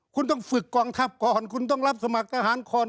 คุณต้องฝึกกองทัพก่อนคุณต้องรับสมัครทหารก่อน